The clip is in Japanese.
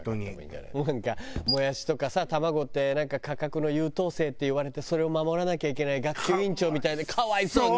なんかもやしとかさ卵って「価格の優等生」っていわれてそれを守らなきゃいけない学級委員長みたいで可哀想にね！